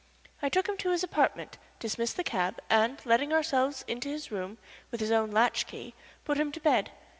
I took him to his apartment, dismissed the cab, and, letting ourselves into his room with his own latch key, put him to bed.